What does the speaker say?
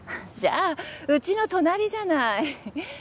じゃあうちの隣じゃない。